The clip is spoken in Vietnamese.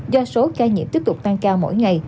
do số ca nhiễm tiếp tục tăng cao mỗi ngày